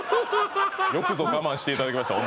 よくぞ我慢していただきました